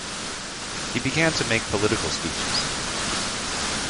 He began to make political speeches.